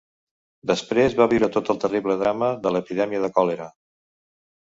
Després va viure tot el terrible drama de l'epidèmia de còlera.